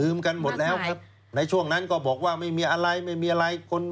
กันหมดแล้วครับในช่วงนั้นก็บอกว่าไม่มีอะไรไม่มีอะไรคน